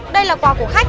đây là quà của khách